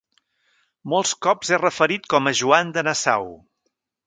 Molts cops és referit com a Joan de Nassau.